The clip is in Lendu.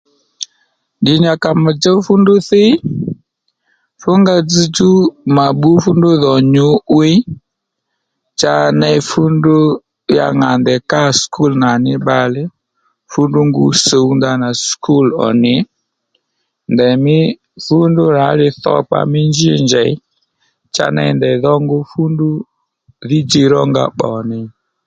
Ddì nì à kà mà chǔw fúndrú thíy fúnga dzzdjú mà bbú fúndrú dhò nyǔ'wiy cha ney fú ndrú ya ŋà ndèy kâ skul nà ní bbalè fú ndrú ngú sǔw ndanà skul ò nì ndèymí fúndrú rǎ lidhokpa mí njí njèy cha ney ndèydho ngu fú ndrú dhí djiy rónga bbònì